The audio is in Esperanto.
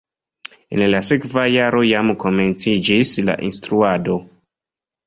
En la sekva jaro jam komenciĝis la instruado.